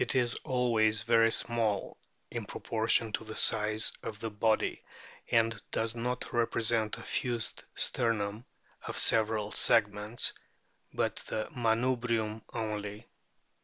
is always very small in proportion to the size of the body and does not represent a fused sternum of several segments, but the manubrium only.